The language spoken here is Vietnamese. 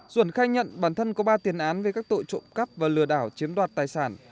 duẩn khai nhận bản thân có ba tiền án về các tội trộm cắp và lừa đảo chiếm đoạt tài sản